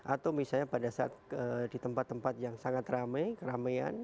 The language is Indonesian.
atau misalnya pada saat di tempat tempat yang sangat ramai keramaian